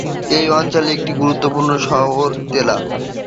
এই অঞ্চলের আরেকটি গুরুত্বপূর্ণ শহর হচ্ছে তেলা।